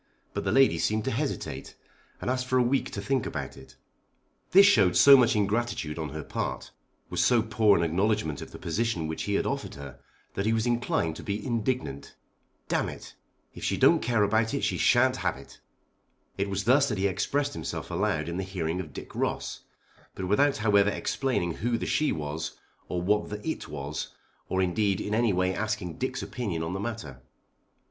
But the lady seemed to hesitate, and asked for a week to think about it. This showed so much ingratitude on her part, was so poor an acknowledgment of the position which he had offered her, that he was inclined to be indignant. "D it; if she don't care about it she sha'n't have it." It was thus that he expressed himself aloud in the hearing of Dick Ross; but without however explaining who the she was, or what the it was, or indeed in any way asking Dick's opinion on the matter.